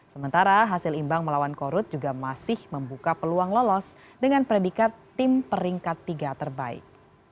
sementara hasil imbang melawan korut juga masih membuka peluang lolos dengan predikat tim peringkat tiga terbaik